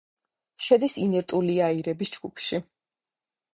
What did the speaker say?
შედის ინერტული აირების ჯგუფში.